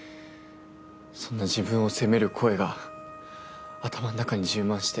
そんな自分を責める声が頭の中に充満して。